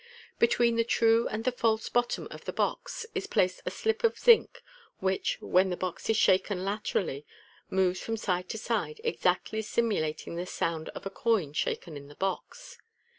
Between the true and the false bottom of the box is placed a slip of zinc, which, when the box is shaken laterally, moves from side to side, exactly simulating the sound of a coin shaken in the box.